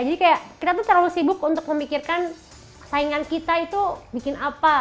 jadi kayak kita tuh terlalu sibuk untuk memikirkan saingan kita itu bikin apa